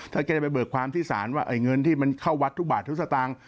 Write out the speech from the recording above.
ถ้าแกจะไปเบิกความที่ศาลว่าไอ้เงินที่มันเข้าวัดทุกบาททุกสตางค์